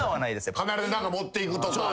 必ず何か持っていくとか。